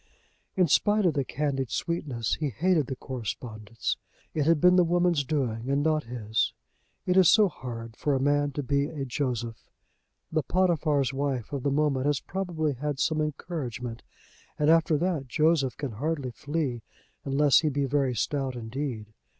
In spite of the candied sweetness he hated the correspondence. It had been the woman's doing and not his. It is so hard for a man to be a Joseph! The Potiphar's wife of the moment has probably had some encouragement, and after that Joseph can hardly flee unless he be very stout indeed.